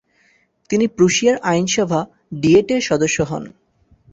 তিনি প্রুশিয়ার আইনসভা ডিয়েটের সদস্য হন।